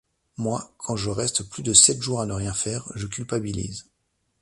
Moi quand je reste plus de sept jours à ne rien faire, je culpabilise.